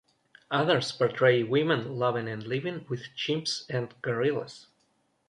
Others portray women loving and living with chimps and gorillas.